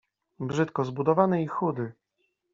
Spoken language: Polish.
brzydko zbudowany i chudy.